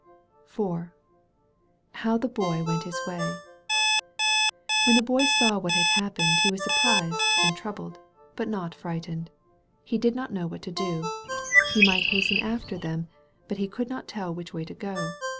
286 THE BOY OP NAZARETH DREAMS IV HOW THE BOY WENT HIB WAY When the Boy saw what had happened he was surprised and troubled, but not frightened. He did not know what to do. He might hasten after them, but he could not tell which way to go.